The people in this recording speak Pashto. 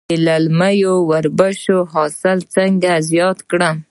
د للمي وربشو حاصل څنګه زیات کړم؟